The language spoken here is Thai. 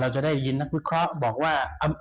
จะได้ยินนักวิเคราะห์บอกว่า